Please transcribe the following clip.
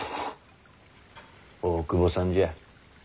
大久保さんじゃ。